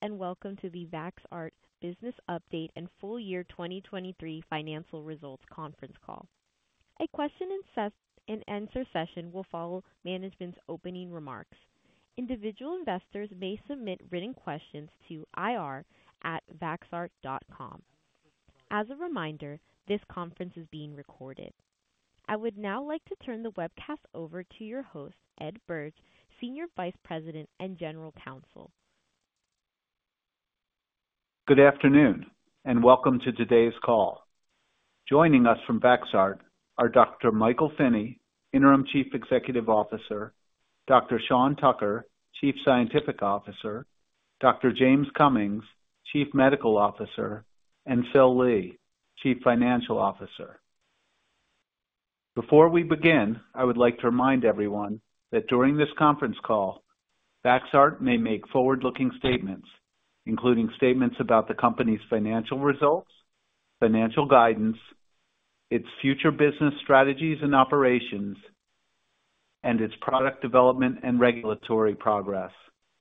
Greetings, and welcome to the Vaxart Business Update and Full Year 2023 Financial Results conference call. A question and answer session will follow management's opening remarks. Individual investors may submit written questions to ir@vaxart.com. As a reminder, this conference is being recorded. I would now like to turn the webcast over to your host, Ed Burch, Senior Vice President and General Counsel. Good afternoon, and welcome to today's call. Joining us from Vaxart are Dr. Michael Finney, Interim Chief Executive Officer, Dr. Sean Tucker, Chief Scientific Officer, Dr. James Cummings, Chief Medical Officer, and Phil Lee, Chief Financial Officer. Before we begin, I would like to remind everyone that during this conference call, Vaxart may make forward-looking statements, including statements about the company's financial results, financial guidance, its future business strategies and operations, and its product development and regulatory progress,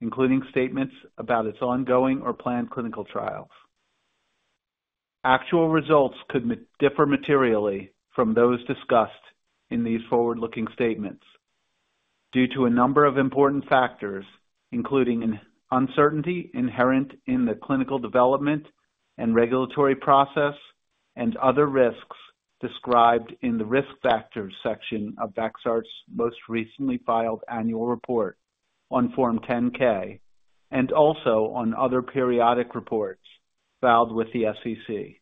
including statements about its ongoing or planned clinical trials. Actual results could differ materially from those discussed in these forward-looking statements due to a number of important factors, including an uncertainty inherent in the clinical development and regulatory process, and other risks described in the Risk Factors section of Vaxart's most recently filed annual report on Form 10-K, and also on other periodic reports filed with the SEC.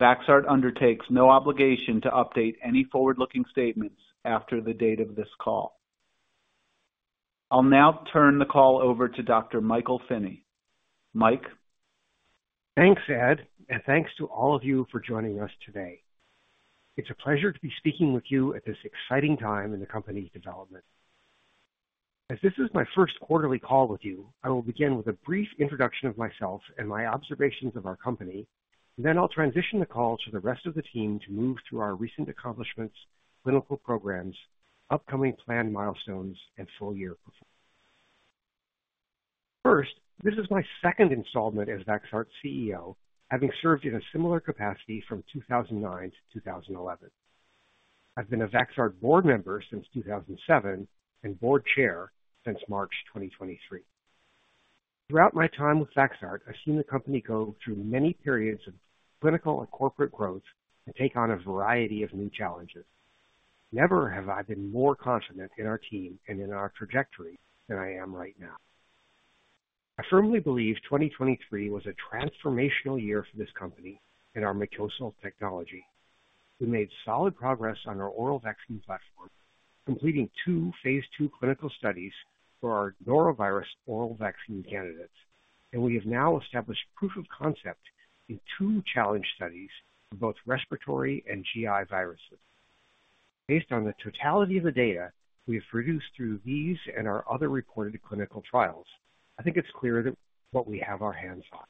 Vaxart undertakes no obligation to update any forward-looking statements after the date of this call. I'll now turn the call over to Dr. Michael Finney. Mike? Thanks, Ed, and thanks to all of you for joining us today. It's a pleasure to be speaking with you at this exciting time in the company's development. As this is my first quarterly call with you, I will begin with a brief introduction of myself and my observations of our company. Then I'll transition the call to the rest of the team to move through our recent accomplishments, clinical programs, upcoming planned milestones, and full year performance. First, this is my second installment as Vaxart's CEO, having served in a similar capacity from 2009 to 2011. I've been a Vaxart board member since 2007 and board chair since March 2023. Throughout my time with Vaxart, I've seen the company go through many periods of clinical and corporate growth and take on a variety of new challenges. Never have I been more confident in our team and in our trajectory than I am right now. I firmly believe 2023 was a transformational year for this company and our mucosal technology. We made solid progress on our oral vaccine platform, completing two Phase 2 clinical studies for our norovirus oral vaccine candidates, and we have now established proof of concept in two challenge studies for both respiratory and GI viruses. Based on the totality of the data we have produced through these and our other reported clinical trials, I think it's clear that what we have our hands on.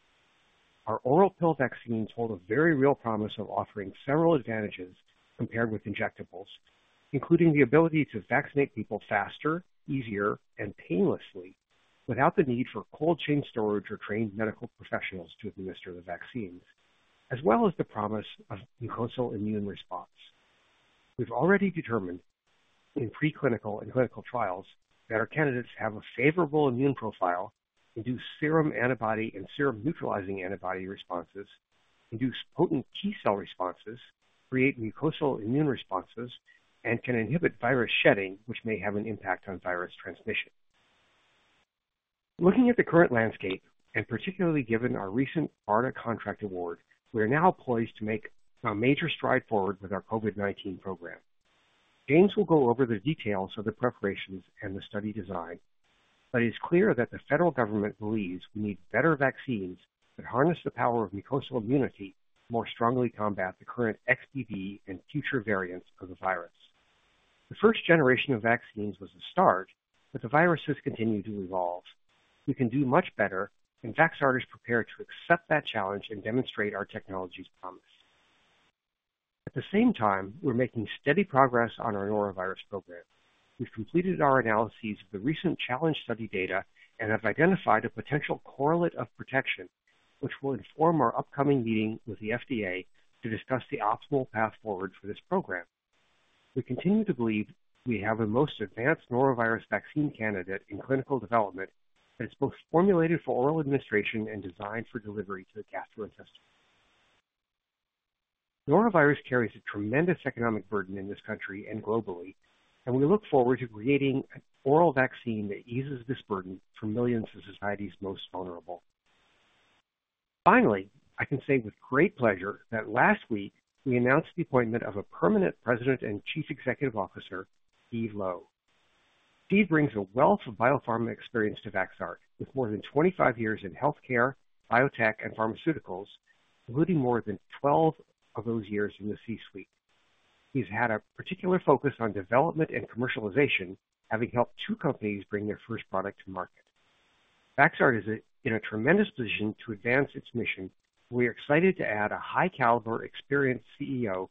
Our oral pill vaccines hold a very real promise of offering several advantages compared with injectables, including the ability to vaccinate people faster, easier, and painlessly without the need for cold chain storage or trained medical professionals to administer the vaccines, as well as the promise of mucosal immune response. We've already determined in preclinical and clinical trials that our candidates have a favorable immune profile, induce serum antibody and serum neutralizing antibody responses, induce potent T cell responses, create mucosal immune responses, and can inhibit virus shedding, which may have an impact on virus transmission. Looking at the current landscape, and particularly given our recent BARDA contract award, we are now poised to make a major stride forward with our COVID-19 program. James will go over the details of the preparations and the study design, but it's clear that the federal government believes we need better vaccines that harness the power of mucosal immunity to more strongly combat the current XBB and future variants of the virus. The first generation of vaccines was a start, but the viruses continue to evolve. We can do much better, and Vaxart is prepared to accept that challenge and demonstrate our technology's promise. At the same time, we're making steady progress on our norovirus program. We've completed our analyses of the recent challenge study data and have identified a potential correlate of protection, which will inform our upcoming meeting with the FDA to discuss the optimal path forward for this program. We continue to believe we have the most advanced norovirus vaccine candidate in clinical development that's both formulated for oral administration and designed for delivery to the gastrointestinal. Norovirus carries a tremendous economic burden in this country and globally, and we look forward to creating an oral vaccine that eases this burden for millions of society's most vulnerable. Finally, I can say with great pleasure that last week we announced the appointment of a permanent President and Chief Executive Officer, Steven Lo. Steven Lo brings a wealth of biopharma experience to Vaxart, with more than 25 years in healthcare, biotech, and pharmaceuticals, including more than 12 of those years in the C-suite. He's had a particular focus on development and commercialization, having helped two companies bring their first product to market. Vaxart is in a tremendous position to advance its mission. We are excited to add a high caliber, experienced CEO-...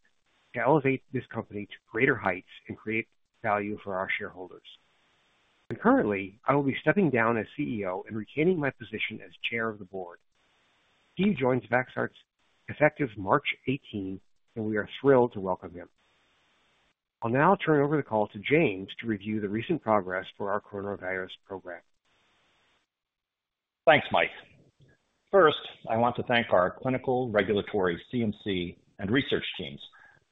to elevate this company to greater heights and create value for our shareholders. Currently, I will be stepping down as CEO and retaining my position as chair of the board. Steve joins Vaxart effective March 18th, and we are thrilled to welcome him. I'll now turn over the call to James to review the recent progress for our coronavirus program. Thanks, Mike. First, I want to thank our clinical, regulatory, CMC, and research teams,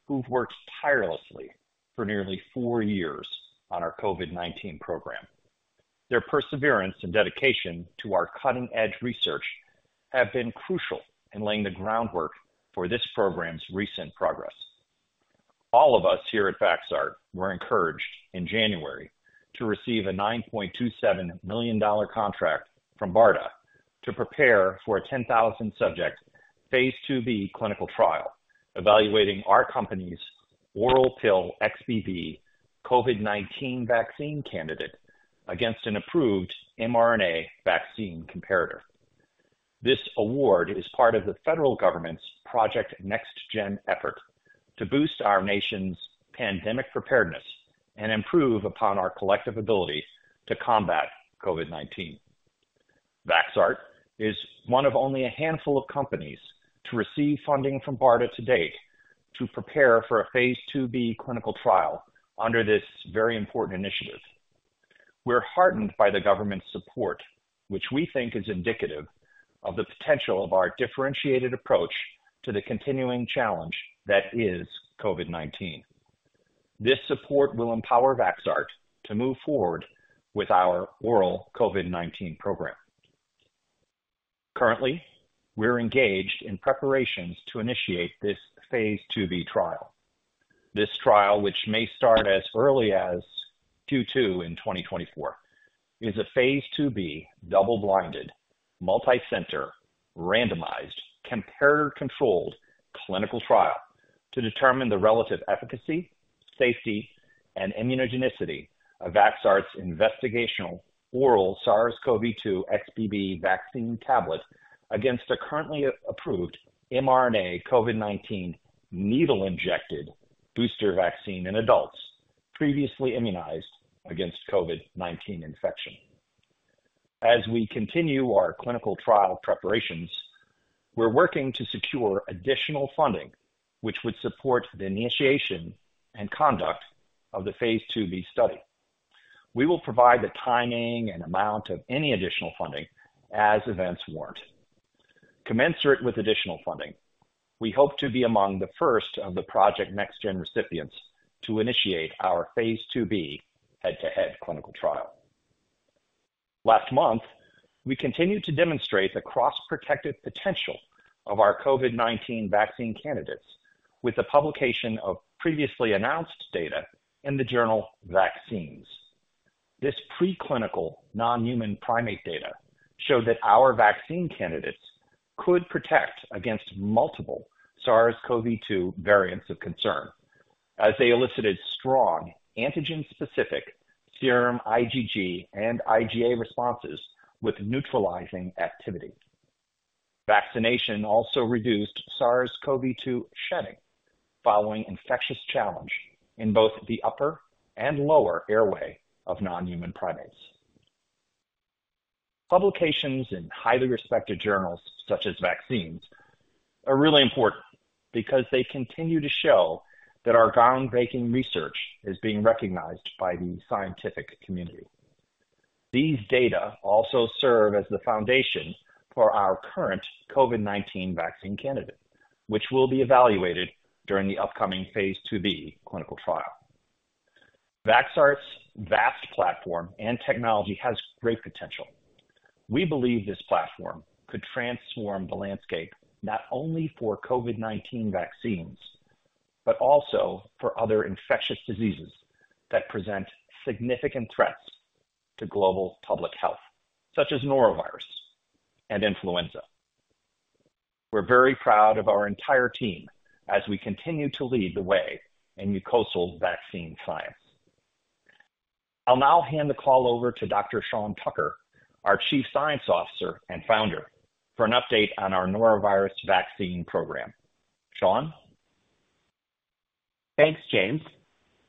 who've worked tirelessly for nearly four years on our COVID-19 program. Their perseverance and dedication to our cutting-edge research have been crucial in laying the groundwork for this program's recent progress. All of us here at Vaxart were encouraged in January to receive a $9.27 million contract from BARDA to prepare for a 10,000-subject Phase IIb clinical trial, evaluating our company's oral pill XBB COVID-19 vaccine candidate against an approved mRNA vaccine comparator. This award is part of the federal government's Project NextGen effort to boost our nation's pandemic preparedness and improve upon our collective ability to combat COVID-19. Vaxart is one of only a handful of companies to receive funding from BARDA to date to prepare for a Phase IIb clinical trial under this very important initiative. We're heartened by the government's support, which we think is indicative of the potential of our differentiated approach to the continuing challenge that is COVID-19. This support will empower Vaxart to move forward with our oral COVID-19 program. Currently, we're engaged in preparations to initiate this Phase IIb trial. This trial, which may start as early as Q2 in 2024, is a Phase IIb double-blinded, multicenter, randomized, comparator-controlled clinical trial to determine the relative efficacy, safety, and immunogenicity of Vaxart's investigational oral SARS-CoV-2 XBB vaccine tablet against a currently approved mRNA COVID-19 needle-injected booster vaccine in adults previously immunized against COVID-19 infection. As we continue our clinical trial preparations, we're working to secure additional funding, which would support the initiation and conduct of the Phase IIb study. We will provide the timing and amount of any additional funding as events warrant. Commensurate with additional funding, we hope to be among the first of the Project NextGen recipients to initiate our Phase IIb head-to-head clinical trial. Last month, we continued to demonstrate the cross-protective potential of our COVID-19 vaccine candidates with the publication of previously announced data in the journal Vaccines. This preclinical non-human primate data showed that our vaccine candidates could protect against multiple SARS-CoV-2 variants of concern, as they elicited strong antigen-specific serum IgG and IgA responses with neutralizing activity. Vaccination also reduced SARS-CoV-2 shedding following infectious challenge in both the upper and lower airway of non-human primates. Publications in highly respected journals, such as Vaccines, are really important because they continue to show that our groundbreaking research is being recognized by the scientific community. These data also serve as the foundation for our current COVID-19 vaccine candidate, which will be evaluated during the upcoming Phase IIb clinical trial. Vaxart's vast platform and technology has great potential. We believe this platform could transform the landscape, not only for COVID-19 vaccines, but also for other infectious diseases that present significant threats to global public health, such as norovirus and influenza. We're very proud of our entire team as we continue to lead the way in mucosal vaccine science. I'll now hand the call over to Dr. Sean Tucker, our Chief Scientific Officer and founder, for an update on our norovirus vaccine program. Sean? Thanks, James.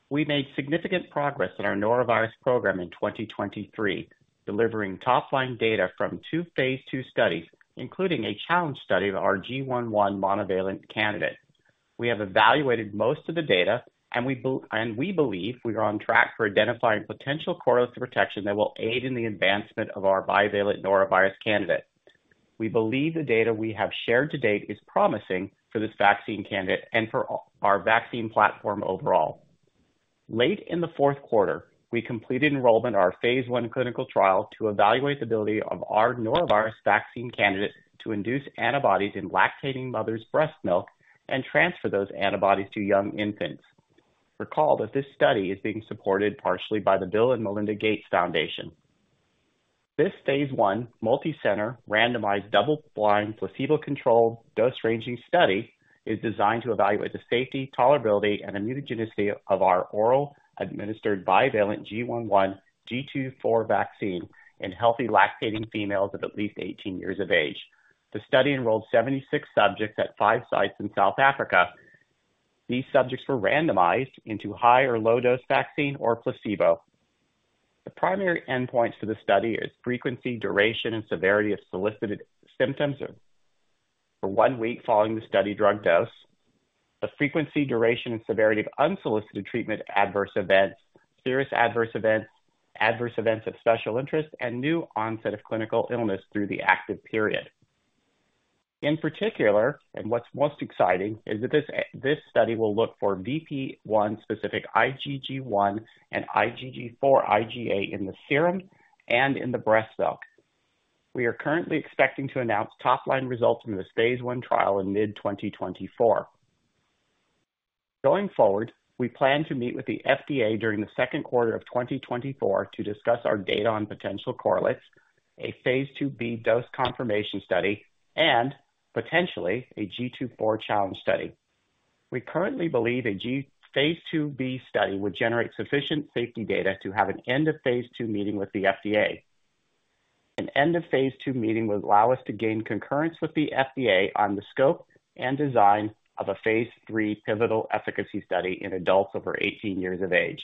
We made significant progress in our norovirus program in 2023, delivering top-line data from two Phase II studies, including a challenge study of our G1.1 monovalent candidate. We have evaluated most of the data, and we believe we are on track for identifying potential correlates of protection that will aid in the advancement of our bivalent norovirus candidate. We believe the data we have shared to date is promising for this vaccine candidate and for our vaccine platform overall. Late in the fourth quarter, we completed enrollment in our Phase I clinical trial to evaluate the ability of our norovirus vaccine candidate to induce antibodies in lactating mothers' breast milk and transfer those antibodies to young infants. Recall that this study is being supported partially by the Bill and Melinda Gates Foundation. This Phase I, multicenter, randomized, double-blind, placebo-controlled, dose-ranging study is designed to evaluate the safety, tolerability, and immunogenicity of our orally administered bivalent G1.1, GII.4 vaccine in healthy lactating females of at least 18 years of age.... The study enrolled 76 subjects at 5 sites in South Africa. These subjects were randomized into high or low dose vaccine or placebo. The primary endpoints for the study is frequency, duration, and severity of solicited symptoms for one week following the study drug dose. The frequency, duration, and severity of unsolicited treatment, adverse events, serious adverse events, adverse events of special interest, and new onset of clinical illness through the active period. In particular, and what's most exciting, is that this study will look for VP1-specific IgG1 and IgG4 IgA in the serum and in the breast milk. We are currently expecting to announce top line results from this Phase 1 trial in mid-2024. Going forward, we plan to meet with the FDA during the second quarter of 2024 to discuss our data on potential correlates, a Phase 2b dose confirmation study, and potentially a GII.4 challenge study. We currently believe a GII.4 Phase 2b study would generate sufficient safety data to have an end of Phase 2 meeting with the FDA. An end of Phase 2 meeting would allow us to gain concurrence with the FDA on the scope and design of a Phase 3 pivotal efficacy study in adults over 18 years of age.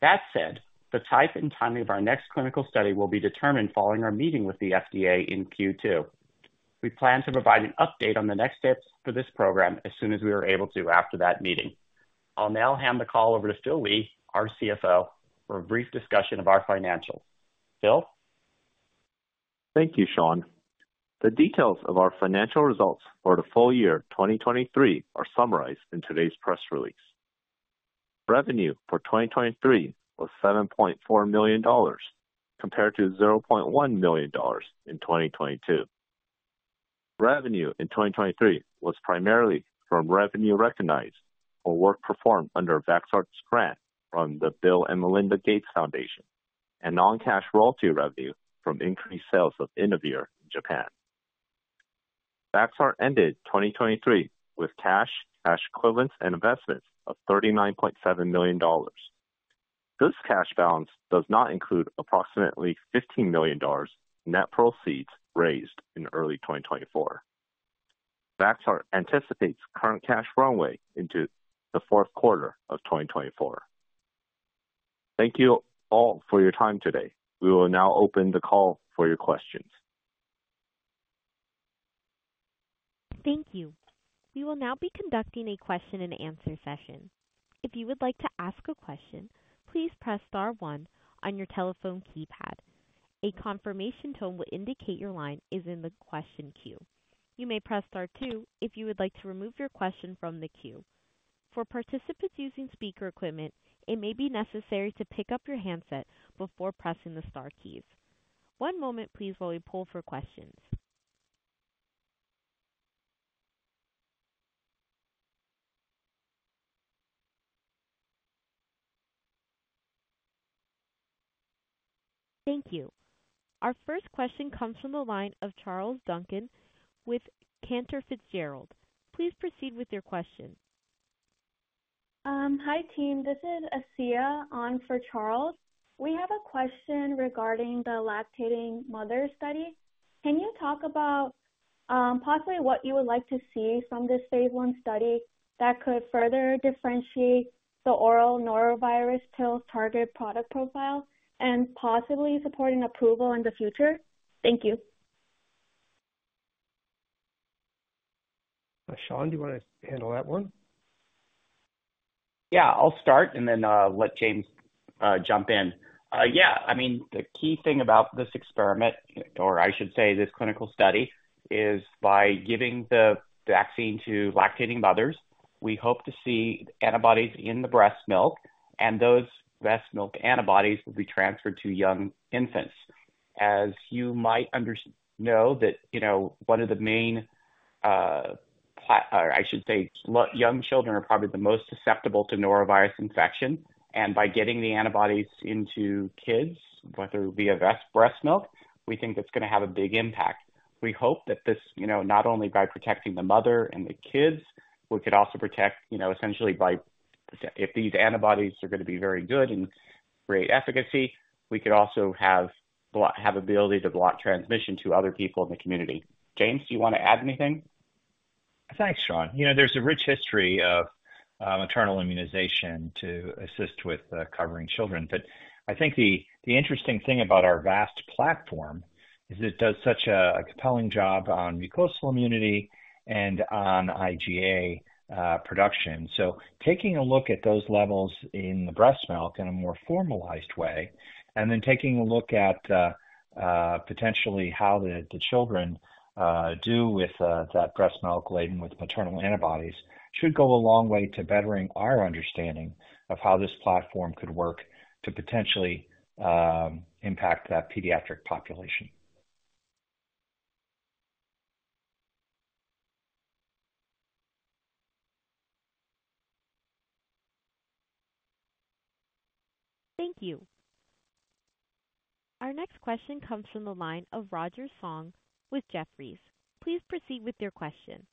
That said, the type and timing of our next clinical study will be determined following our meeting with the FDA in Q2. We plan to provide an update on the next steps for this program as soon as we are able to after that meeting. I'll now hand the call over to Phil Lee, our CFO, for a brief discussion of our financials. Phil? Thank you, Sean. The details of our financial results for the full year 2023 are summarized in today's press release. Revenue for 2023 was $7.4 million, compared to $0.1 million in 2022. Revenue in 2023 was primarily from revenue recognized for work performed under Vaxart's grant from the Bill & Melinda Gates Foundation and non-cash royalty revenue from increased sales of Inavir in Japan. Vaxart ended 2023 with cash, cash equivalents and investments of $39.7 million. This cash balance does not include approximately $15 million net proceeds raised in early 2024. Vaxart anticipates current cash runway into the fourth quarter of 2024. Thank you all for your time today. We will now open the call for your questions. Thank you. We will now be conducting a question and answer session. If you would like to ask a question, please press star one on your telephone keypad. A confirmation tone will indicate your line is in the question queue. You may press star two if you would like to remove your question from the queue. For participants using speaker equipment, it may be necessary to pick up your handset before pressing the star keys. One moment, please, while we pull for questions. Thank you. Our first question comes from the line of Charles Duncan with Cantor Fitzgerald. Please proceed with your question. Hi, team. This is Acia on for Charles. We have a question regarding the lactating mother study. Can you talk about possibly what you would like to see from this Phase 1 study that could further differentiate the oral norovirus pill's target product profile and possibly supporting approval in the future? Thank you. Sean, do you want to handle that one? Yeah, I'll start and then let James jump in. Yeah, I mean, the key thing about this experiment, or I should say this clinical study, is by giving the vaccine to lactating mothers, we hope to see antibodies in the breast milk, and those breast milk antibodies will be transferred to young infants. As you might know that, you know, one of the main, or I should say, young children are probably the most susceptible to norovirus infection. And by getting the antibodies into kids, whether via breast milk, we think it's going to have a big impact. We hope that this, you know, not only by protecting the mother and the kids, we could also protect, you know, essentially by, if these antibodies are going to be very good and great efficacy, we could also have ability to block transmission to other people in the community. James, do you want to add anything? Thanks, Sean. You know, there's a rich history of maternal immunization to assist with covering children, but I think the interesting thing about our Vaxart platform is it does such a compelling job on mucosal immunity and on IgA production. So taking a look at those levels in the breast milk in a more formalized way, and then taking a look at potentially how the children do with that breast milk laden with maternal antibodies, should go a long way to bettering our understanding of how this platform could work to potentially impact that pediatric population. Thank you. Our next question comes from the line of Roger Song with Jefferies. Please proceed with your question.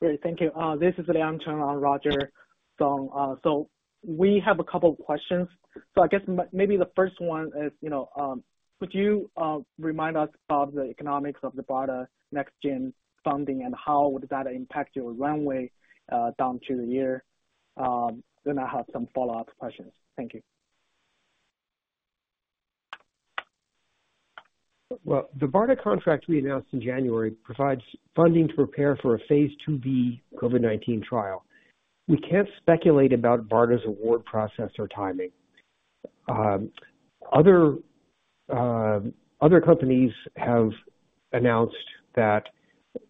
Great. Thank you. This is Liang Cheng on Roger Song. So we have a couple of questions. So I guess maybe the first one is, you know, could you remind us about the economics of the BARDA NextGen funding and how would that impact your runway down to the year? Then I have some follow-up questions. Thank you. Well, the BARDA contract we announced in January provides funding to prepare for a Phase 2b COVID-19 trial. We can't speculate about BARDA's award process or timing. Other companies have announced that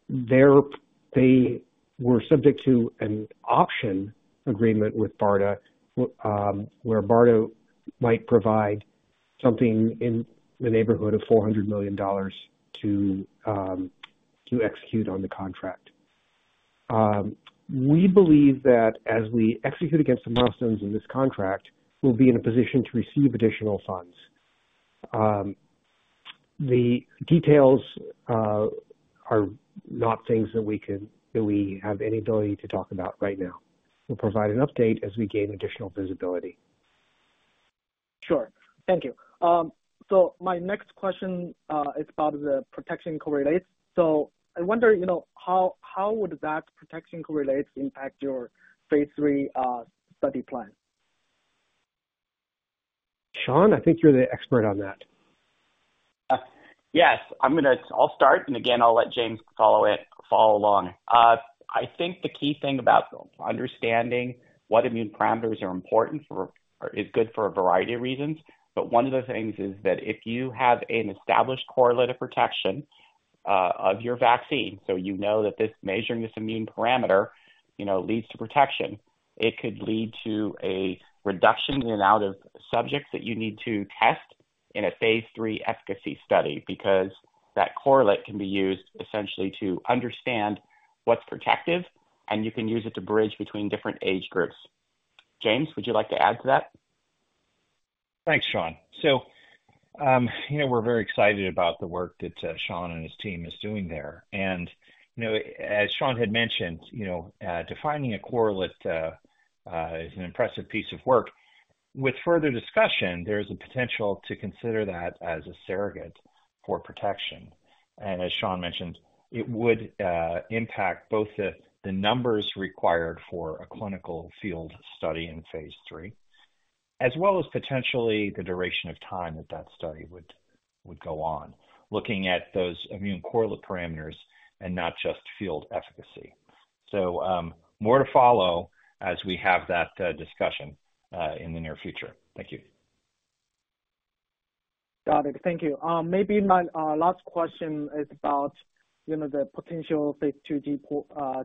they were subject to an option agreement with BARDA, where BARDA might provide something in the neighborhood of $400 million to execute on the contract. We believe that as we execute against the milestones in this contract, we'll be in a position to receive additional funds. The details are not things that we can, that we have any ability to talk about right now. We'll provide an update as we gain additional visibility. Sure. Thank you. My next question is about the protection correlates. I wonder, you know, how, how would that protection correlates impact your Phase 3 study plan? Sean, I think you're the expert on that. Yes, I'm gonna... I'll start, and again, I'll let James follow it, follow along. I think the key thing about understanding what immune parameters are important for is good for a variety of reasons, but one of the things is that if you have an established correlate of protection of your vaccine, so you know that this measuring this immune parameter, you know, leads to protection, it could lead to a reduction in the amount of subjects that you need to test in a Phase 3 efficacy study, because that correlate can be used essentially to understand what's protective, and you can use it to bridge between different age groups. James, would you like to add to that? Thanks, Sean. So, you know, we're very excited about the work that Sean and his team is doing there. And, you know, as Sean had mentioned, you know, defining a correlate is an impressive piece of work. With further discussion, there is a potential to consider that as a surrogate for protection. And as Sean mentioned, it would impact both the numbers required for a clinical field study in Phase 3, as well as potentially the duration of time that that study would go on, looking at those immune correlate parameters and not just field efficacy. So, more to follow as we have that discussion in the near future. Thank you. Got it. Thank you. Maybe my last question is about, you know, the potential Phase 2b,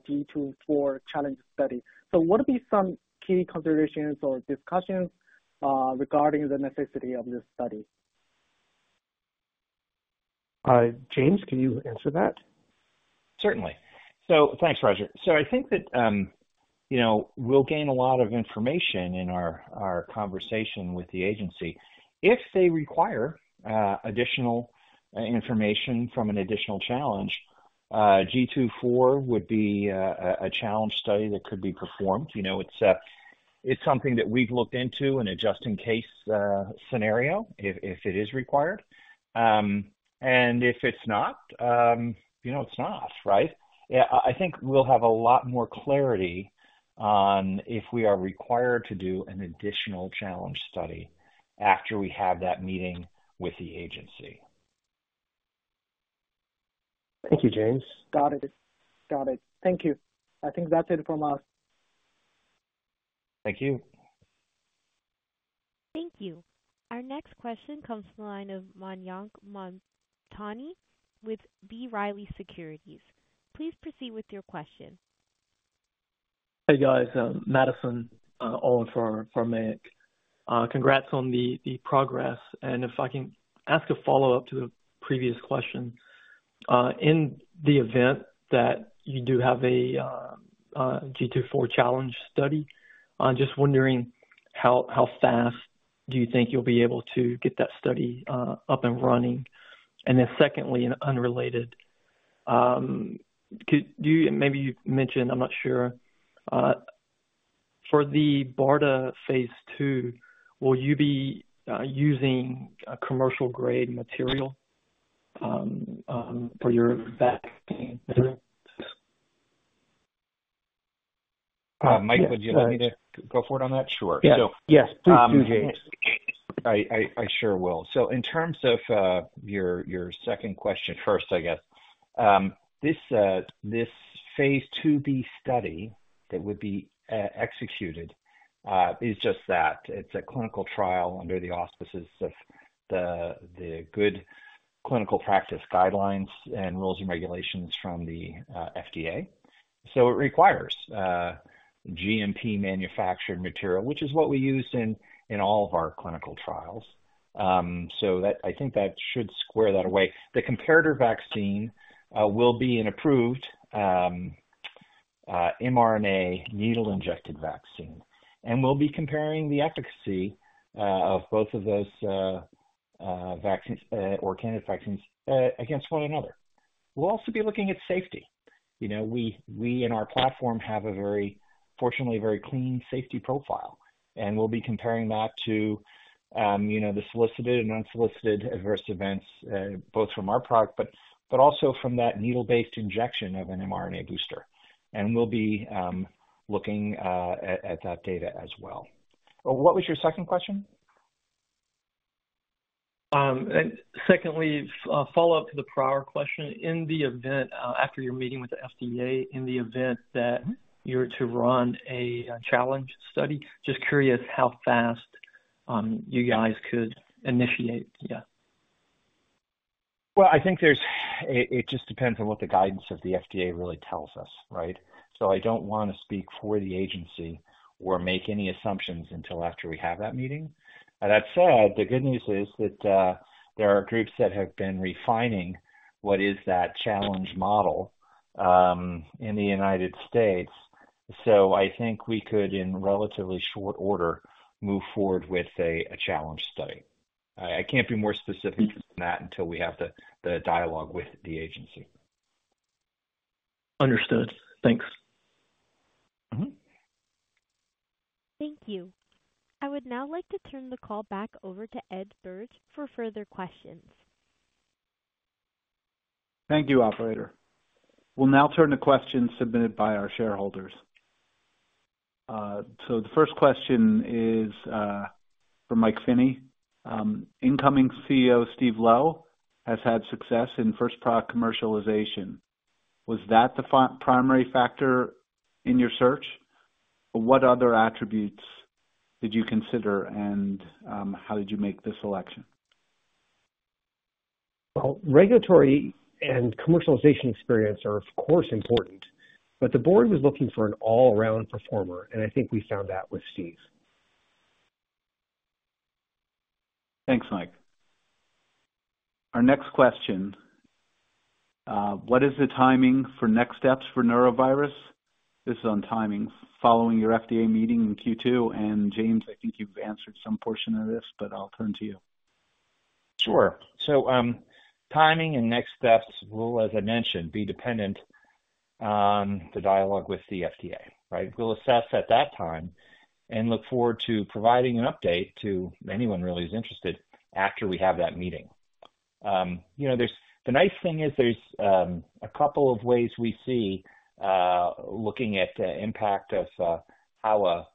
G2 for challenge study. So what would be some key considerations or discussions regarding the necessity of this study? James, can you answer that? Certainly. So thanks, Roger. So I think that, you know, we'll gain a lot of information in our conversation with the agency. If they require additional information from an additional challenge, GII.4 would be a challenge study that could be performed. You know, it's something that we've looked into in a just in case scenario, if it is required. And if it's not, you know, it's not, right? I think we'll have a lot more clarity on if we are required to do an additional challenge study after we have that meeting with the agency. Thank you, James. Got it. Got it. Thank you. I think that's it from us. Thank you. Thank you. Our next question comes from the line of Mayank Mamtani with B. Riley Securities. Please proceed with your question. Hey, guys, Madison Owen for Mayank. Congrats on the progress, and if I can ask a follow-up to the previous question. In the event that you do have a GII.4 challenge study, I'm just wondering how fast do you think you'll be able to get that study up and running? And then secondly, and unrelated, could you maybe you mentioned, I'm not sure, for the BARDA Phase 2, will you be using a commercial grade material for your vaccine? Mike, would you like me to go forward on that? Sure. Yes. Please do, James. I sure will. So in terms of your second question first, I guess. This Phase 2b study that would be executed is just that. It's a clinical trial under the auspices of the good clinical practice guidelines and rules and regulations from the FDA. So it requires GMP manufactured material, which is what we use in all of our clinical trials. So that, I think that should square that away. The comparator vaccine will be an approved mRNA needle-injected vaccine, and we'll be comparing the efficacy of both of those vaccines or candidate vaccines against one another. We'll also be looking at safety. You know, we in our platform have a very, fortunately, very clean safety profile, and we'll be comparing that to, you know, the solicited and unsolicited adverse events, both from our product, but also from that needle-based injection of an mRNA booster. And we'll be looking at that data as well. What was your second question? Secondly, follow-up to the prior question. In the event, after your meeting with the FDA, in the event that you were to run a challenge study, just curious how fast you guys could initiate that? Well, I think there's... It just depends on what the guidance of the FDA really tells us, right? So I don't want to speak for the agency or make any assumptions until after we have that meeting. That said, the good news is that there are groups that have been refining what is that challenge model in the United States. So I think we could, in relatively short order, move forward with a challenge study. I can't be more specific than that until we have the dialogue with the agency. Understood. Thanks. Mm-hmm. Thank you. I would now like to turn the call back over to Ed Burch for further questions. Thank you, operator. We'll now turn to questions submitted by our shareholders. So the first question is from Mike Finney. Incoming CEO, Steven Lo, has had success in first product commercialization. Was that the primary factor in your search? What other attributes did you consider, and how did you make the selection? Well, regulatory and commercialization experience are, of course, important, but the board was looking for an all-round performer, and I think we found that with Steve. Thanks, Mike. Our next question. What is the timing for next steps for norovirus? This is on timing following your FDA meeting in Q2, and, James, I think you've answered some portion of this, but I'll turn to you. Sure. So, timing and next steps will, as I mentioned, be dependent on the dialogue with the FDA, right? We'll assess at that time and look forward to providing an update to anyone really who's interested after we have that meeting. You know, the nice thing is, there's a couple of ways we see looking at the impact of how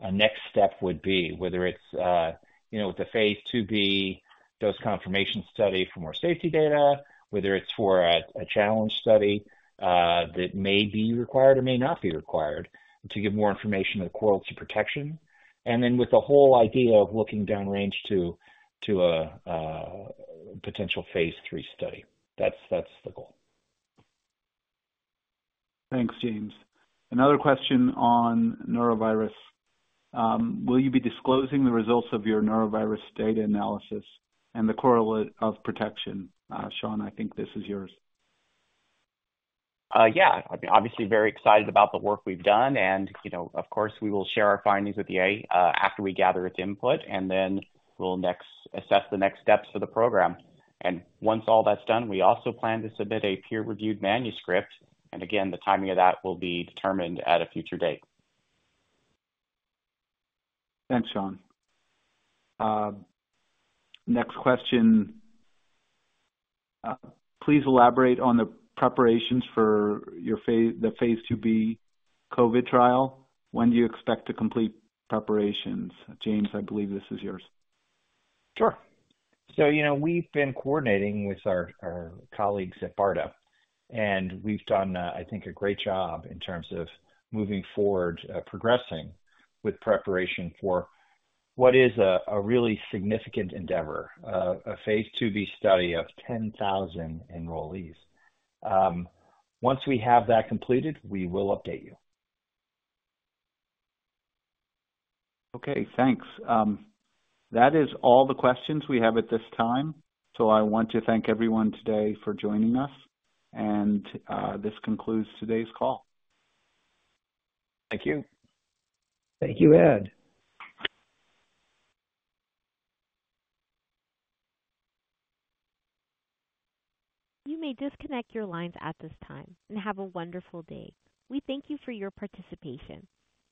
a next step would be, whether it's, you know, with the Phase 2b dose confirmation study for more safety data, whether it's for a challenge study that may be required or may not be required, to give more information on the correlate of protection, and then with the whole idea of looking down range to a potential Phase 3 study. That's the goal. Thanks, James. Another question on norovirus. Will you be disclosing the results of your norovirus data analysis and the correlate of protection? Sean, I think this is yours. I'd be obviously very excited about the work we've done, and, you know, of course, we will share our findings with the EA, after we gather its input, and then we'll next... assess the next steps for the program. And once all that's done, we also plan to submit a peer-reviewed manuscript, and again, the timing of that will be determined at a future date. Thanks, Sean. Next question. Please elaborate on the preparations for your phase, the Phase 2b COVID trial. When do you expect to complete preparations? James, I believe this is yours. Sure. So, you know, we've been coordinating with our colleagues at BARDA, and we've done, I think, a great job in terms of moving forward, progressing with preparation for what is a really significant endeavor, a Phase IIb study of 10,000 enrollees. Once we have that completed, we will update you. Okay, thanks. That is all the questions we have at this time. So I want to thank everyone today for joining us, and this concludes today's call. Thank you. Thank you, Ed. You may disconnect your lines at this time and have a wonderful day. We thank you for your participation.